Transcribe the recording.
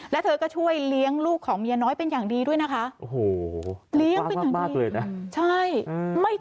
แล้วเธอก็ช่วยเลี้ยงลูกของเมียน้อยเป็นอย่างดีด้วยนะคะ